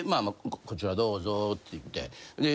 「こちらどうぞ」って言って。